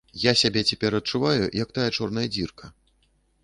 Я сябе цяпер адчуваю як тая чорная дзірка.